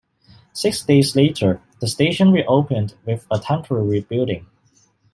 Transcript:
Six days later, the station reopened with a temporary building.